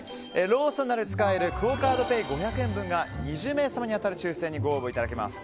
ローソンなどで使えるクオ・カードペイ５００円分が２０名様に当たる抽選にご応募いただけます。